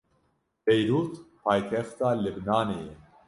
Beyrûd paytexta Libnanê ye.